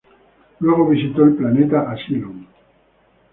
Luego visitó el planeta Asylum.